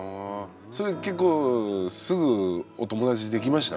結構すぐお友達できました？